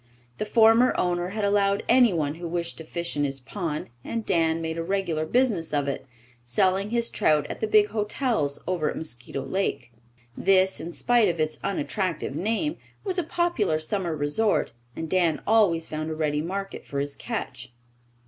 The former owner had allowed anyone who wished to fish in his pond, and Dan made a regular business of it, selling his trout at the big hotels over at Mosquito Lake. This, in spite of its unattractive name, was a popular summer resort, and Dan always found a ready market for his catch.